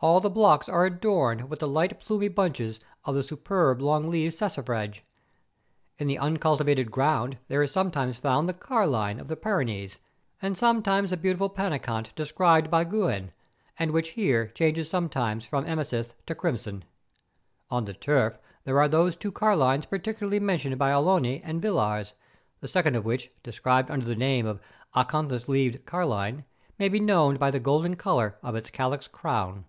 All the blocks are adorned with the light plumy bunches of the superb long leaved saxifrage. In uncultivated ground there is sometimes found the carline of the Pyrenees, and sometimes the beautiful panicant described by Gouin, and which here changes sometimes from amethyst to crimson. On the turf there are those two carlines particularly mentioned by Allioni and Villars, the second of which, described under the name of acanthus leaved carline, may be known by the golden colour of its calyx crown.